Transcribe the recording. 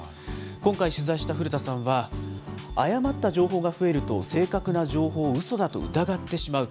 今回取材した古田さんは、誤った情報が増えると、正確な情報をうそだと疑ってしまう。